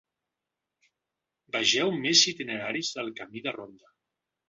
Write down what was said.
Vegeu més itineraris del camí de ronda.